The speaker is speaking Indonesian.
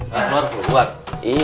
gak keluar keluar iya